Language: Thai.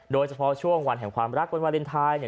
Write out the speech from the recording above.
โดยเฉพาะช่วงวันแห่งความรักวันวาเลนไทยเนี่ย